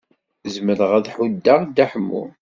Zemreɣ ad ḥuddeɣ Dda Ḥemmu.